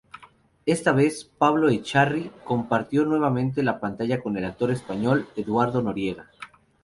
Esta vez, Pablo Echarri compartió nuevamente la pantalla con el actor español Eduardo Noriega.